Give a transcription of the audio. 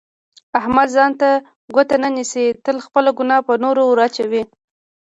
احمد ځان ته ګوته نه نیسي، تل خپله ګناه په نورو ور اچوي.